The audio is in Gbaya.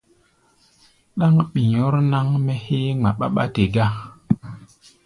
Ɗáŋ ɓi̧ɔ̧r náŋ-mɛ́ héé ŋma ɓáɓá te gá.